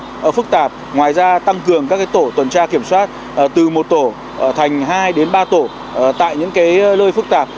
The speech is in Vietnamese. và phức tạp ngoài ra tăng cường các tổ tuần tra kiểm soát từ một tổ thành hai đến ba tổ tại những lơi phức tạp